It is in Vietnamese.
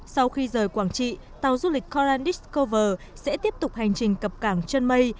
sau khi rời quảng trị tàu du lịch coral discover sẽ tiếp tục hành trình cập cảng trân mây